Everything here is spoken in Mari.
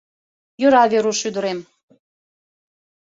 — Йӧра, Веруш ӱдырем.